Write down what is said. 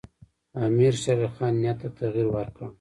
امیرشیرعلي خان نیت ته تغییر ورکړ.